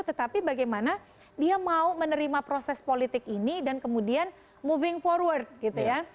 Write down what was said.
tetapi bagaimana dia mau menerima proses politik ini dan kemudian moving forward gitu ya